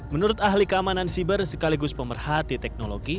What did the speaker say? menurut ahli keamanan siber sekaligus pemerhati teknologi